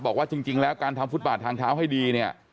บอกว่าจริงแล้วการทำฟุตบาททางเท้าให้ดีเนี่ย